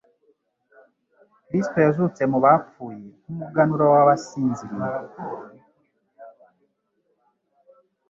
Kristo yazutse mu bapfuye, nk'umuganura w'abasinziriye.